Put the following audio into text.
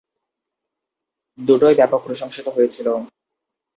দুটোই ব্যাপক প্রশংসিত হয়েছিল।